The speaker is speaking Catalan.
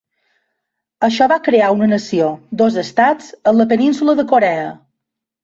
Això va crear "una nació, dos estats" en la península de Corea.